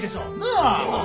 ああ！